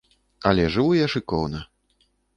Але жыву я шыкоўна.